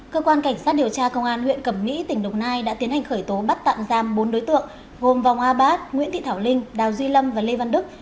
cơ quan cảnh sát điều tra công an huyện cẩm mỹ tỉnh đồng nai đã tiến hành khởi tố bắt tạm giam bốn đối tượng gồm vòng a bát nguyễn thị thảo linh đào duy lâm và lê văn đức